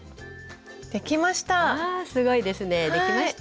すごいですねできました！